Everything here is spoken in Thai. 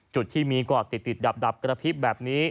จุดที่มีกอดติดดับกระพริบแบบนี้